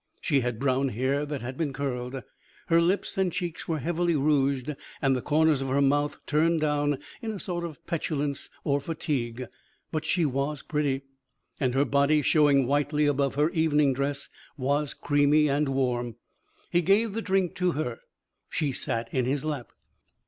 She had brown hair that had been curled. Her lips and cheeks were heavily rouged and the corners of her mouth turned down in a sort of petulance or fatigue. But she was pretty. And her body, showing whitely above her evening dress, was creamy and warm. He gave the drink to her. She sat in his lap.